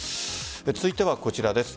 続いてはこちらです。